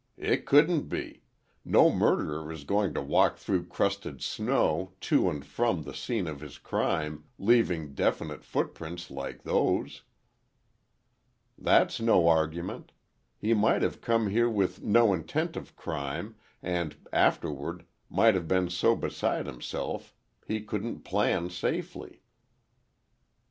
"It couldn't be. No murderer is going to walk through crusted snow, to and from the scene of his crime, leaving definite footprints like those!" "That's no argument. He might have come here with no intent of crime, and afterward, might have been so beside himself he couldn't plan safely."